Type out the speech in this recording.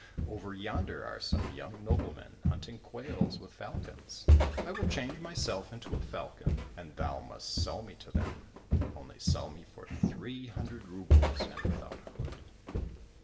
Over yonder are some young noblemen hunting quails with falcons. I will change myself into a falcon, and thou must sell me to them ; only sell me for three hundred roubles, and without a hood."